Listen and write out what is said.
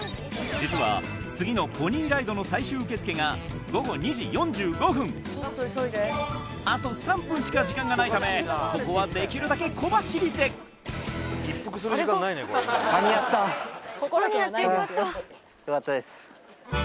実は次のポニーライドの最終受付が午後２時４５分あと３分しか時間がないためここはできるだけ小走りで間に合った間に合ってよかったよかったです